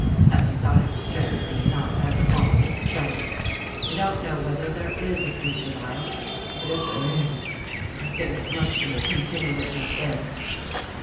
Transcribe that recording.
That desire, strangely enough, hasn't lost its strength. We don't know whether there is a future life, but if there is, I think it must be a continuation of this."